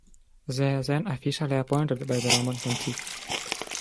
They are then officially appointed by the Roman Pontiff.